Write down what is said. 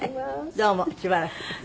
どうもしばらくでした。